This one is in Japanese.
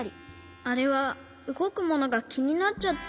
あれはうごくものがきになっちゃって。